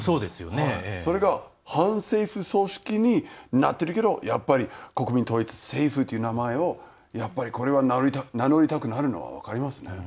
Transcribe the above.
それが反政府組織になってるけどやっぱり国民統一政府という名前を名乗りたくなるのは分かりますね。